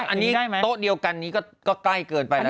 อันนี้โต๊ะเดียวกันนี้ก็ใกล้เกินไปแล้ว